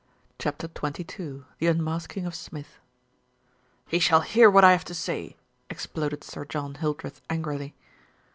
CHAPTER XXII THE UNMASKING OF SMITH "T TE shall hear what I have to say," exploded Sir John Hildreth angrily.